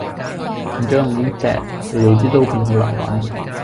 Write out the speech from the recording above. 轉咗用呢隻，你地啲刀片好難搵